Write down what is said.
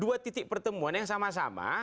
dua titik pertemuan yang sama sama